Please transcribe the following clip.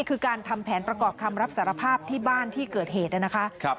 คือการทำแผนประกอบคำรับสารภาพที่บ้านที่เกิดเหตุนะคะ